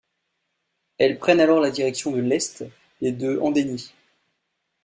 Ils prennent alors la direction de l'est et de Handeni.